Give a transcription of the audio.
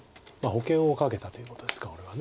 保険を掛けたということですかこれは。